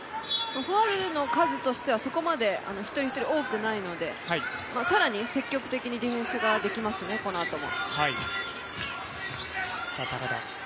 ファウルの数としてはそこまで１人１人多くないので更に積極的にディフェンスができますね、このあとも。